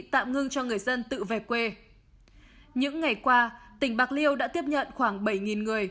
tạm ngưng cho người dân tự về quê những ngày qua tỉnh bạc liêu đã tiếp nhận khoảng bảy người